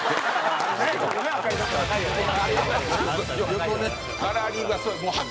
横ね。